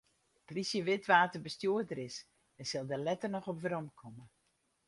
De polysje wit wa't de bestjoerder is en sil dêr letter noch op weromkomme.